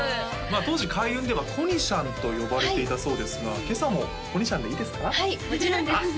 当時開運では「こにしゃん」と呼ばれていたそうですが今朝もこにしゃんでいいですか？